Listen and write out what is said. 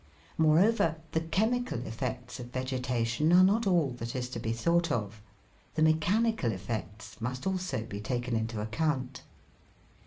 Moreover, the chemical effects of vegetation are not ail that is to be thought of. The mechanical effects must also be taken into account.